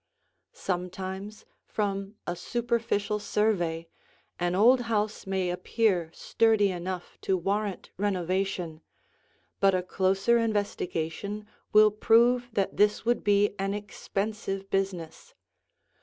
Sometimes, from a superficial survey, an old house may appear sturdy enough to warrant renovation, but a closer investigation will prove that this would be an expensive business.